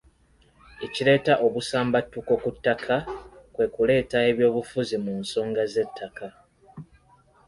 Ekireeta obusambattuko ku ttaka kwe kuleeta ebyobufuzi mu nsonga z’ettaka.